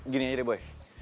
gini aja deh boy